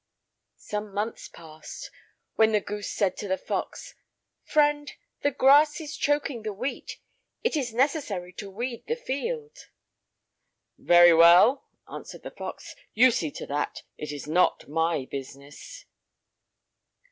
Some months passed, when the goose said to the fox: "Friend, the grass is choking the wheat; it is necessary to weed the field." "Very well," answered the fox, "you see to that; it is not my business."